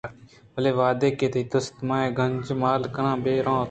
بلئے وہدے کہ تئی دست ءِ اے گنجءُ مال کہ بُہ روت